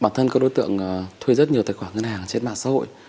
bản thân các đối tượng thuê rất nhiều tài khoản ngân hàng trên mạng xã hội